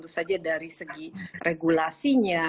tentu saja dari segi regulasinya